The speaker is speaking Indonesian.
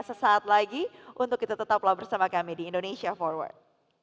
sesaat lagi untuk kita tetaplah bersama kami di indonesia forward